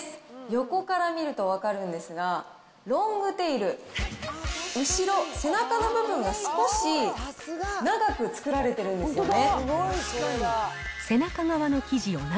横から見ると分かるんですが、ロングテイル、後ろ、背中の部分が少し長く作られてるんですよね。